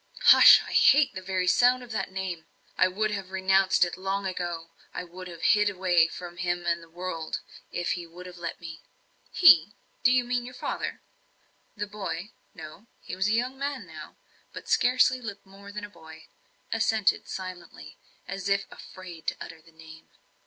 "Hush! I hate the very sound of the name. I would have renounced it long ago. I would have hid myself away from him and from the world, if he would have let me." "He do you mean your father?" The boy no, he was a young man now, but scarcely looked more than a boy assented silently, as if afraid to utter the name.